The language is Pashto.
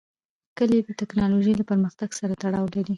کلي د تکنالوژۍ له پرمختګ سره تړاو لري.